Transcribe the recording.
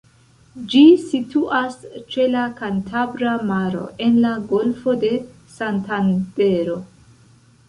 Ĝi situas ĉe la Kantabra Maro, en la Golfo de Santandero.